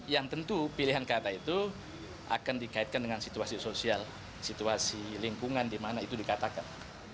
yang tentu pilihan kata itu akan dikaitkan dengan situasi sosial situasi lingkungan di mana itu dikatakan